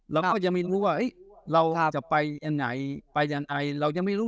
เราก็ยังไม่รู้ว่าเอ๊ะเราจะไปไหนไปไหนเรายังไม่รู้